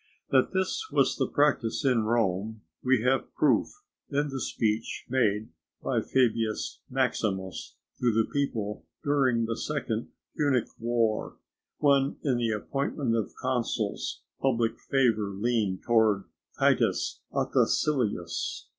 That this was the practice in Rome we have proof in the speech made by Fabius Maximus to the people during the second Punic war, when in the appointment of consuls public favour leaned towards Titus Ottacilius.